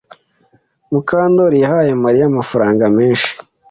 Mukandori yahaye Mariya amafaranga menshi.